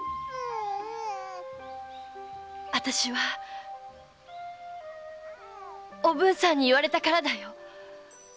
あたしはおぶんさんに言われたからだよ。